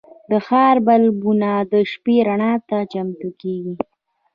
د ښار بلبونه د شپې رڼا ته چمتو کېږي.